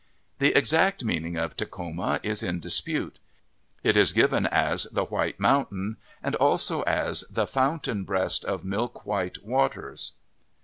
The exact meaning of "Takhoma " is in dispute. It is given as " The White Mountain " and also as the "Fountain breast of Milk white Waters."